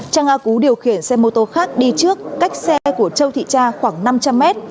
trang a cú điều khiển xe mô tô khác đi trước cách xe của châu thị cha khoảng năm trăm linh mét